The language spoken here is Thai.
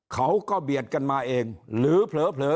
เขาก็เบียดกันมาเองหรือเผลอ